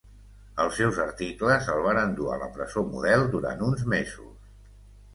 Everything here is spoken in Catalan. Els seus articles el varen dur a la presó Model durant uns mesos.